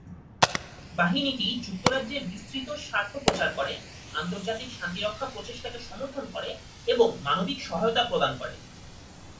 বাহিনীটি যুক্তরাজ্যের বিস্তৃত স্বার্থ প্রচার করে, আন্তর্জাতিক শান্তিরক্ষা প্রচেষ্টাকে সমর্থন করে এবং মানবিক সহায়তা প্রদান করে।